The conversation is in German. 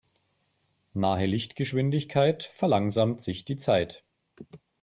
Nahe Lichtgeschwindigkeit verlangsamt sich die Zeit.